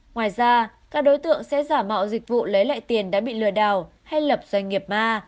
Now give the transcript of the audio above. ngoài ra các đối tượng sẽ giả mạo dịch vụ lấy lại tiền đã bị lừa đảo hay lập doanh nghiệp ma